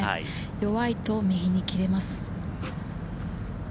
弱いと右に切れます。